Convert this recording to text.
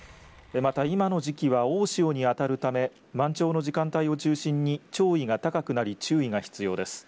また今の時期は大潮にあたるため満潮の時間帯を中心に潮位が高くなり注意が必要です。